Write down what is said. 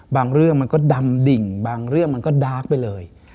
บางเรื่องมันก็ดำดิ่งบางเรื่องมันก็ดาร์กไปเลย